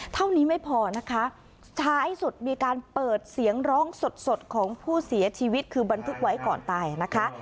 เท่านี้ไม่พอนะคะท้ายสุดมีการเปิดเสียงร้องสดของผู้เสียชีวิตคือบันทึกไว้ก่อนตายนะคะ